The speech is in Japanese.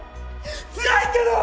つらいけど！